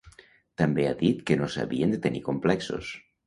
També ha dit que no s’havien de tenir complexos.